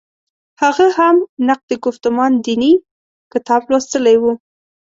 هغه هم «نقد ګفتمان دیني» کتاب لوستلی و.